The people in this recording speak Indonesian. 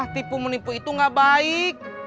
tipu menipu itu gak baik